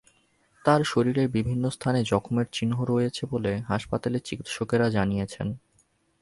তাঁর শরীরের বিভিন্ন স্থানে জখমের চিহ্ন রয়েছে বলে হাসপাতালের চিকিৎসকেরা জানিয়েছেন।